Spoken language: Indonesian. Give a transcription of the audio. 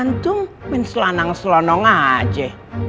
antum men selanang selonong aja